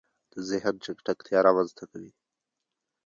د زهن چټکتیا رامنځته کوي